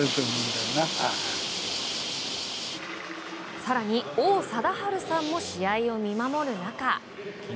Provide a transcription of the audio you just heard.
更に、王貞治さんも試合を見守る中。